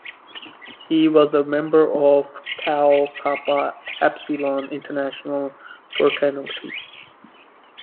He was a member of Tau Kappa Epsilon International Fraternity.